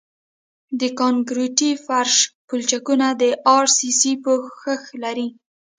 د کانکریټي فرش پلچکونه د ار سي سي پوښښ لري